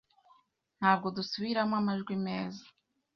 Ntabwo dusubiramo amajwi meza